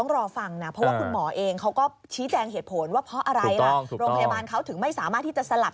โรงพยาบาลเขาถึงไม่สามารถที่จะสลับ